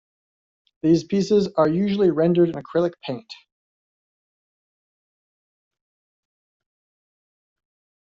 These pieces are usually rendered in acrylic paint.